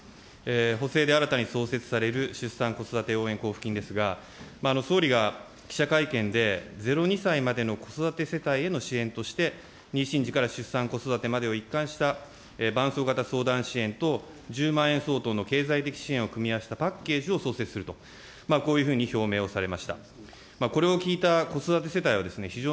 補正で新たに創設される出産・子育て応援交付金ですが、総理が記者会見で０、２歳までの子育て世帯への支援として、妊娠時から出産、子育てまでの一貫した伴走型相談支援等、１０万円相当の経済的支援をしたパッケージを創生すると、こういうふうに表明をされました。